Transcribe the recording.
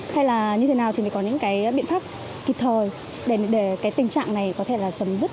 hay là như thế nào thì mới có những cái biện pháp kịp thời để cái tình trạng này có thể là chấm dứt